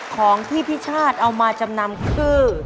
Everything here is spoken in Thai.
ของที่พี่ชาติเอามาจำนำคือ